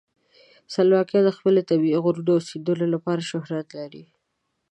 سلواکیا د خپل طبیعي غرونو او سیندونو لپاره شهرت لري.